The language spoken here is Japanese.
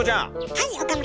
はい岡村！